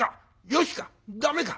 よしか？